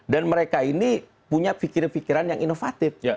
dan mereka ini punya pikiran pikiran yang inovatif